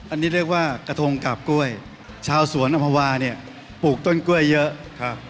อันนี้เรียกว่ากระทงกาบกล้วยชาวสวนอำภาวาเนี่ยปลูกต้นกล้วยเยอะครับ